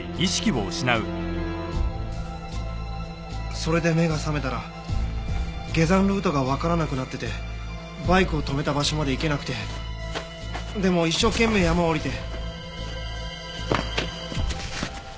それで目が覚めたら下山ルートがわからなくなっててバイクを止めた場所まで行けなくてでも一生懸命山を下りて。